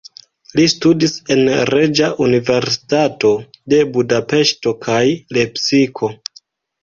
Li studis en Reĝa Universitato de Budapeŝto kaj Lepsiko.